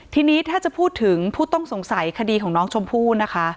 ทีนี้ถ้าจะพูดถึงผู้ต้องสงสัยคดีของน้องชมพู่นะคะ